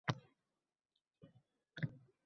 Sizdan birgina o`tinchim bor